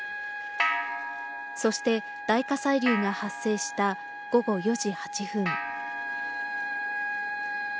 そして、大火砕流が発生した午後４時８分。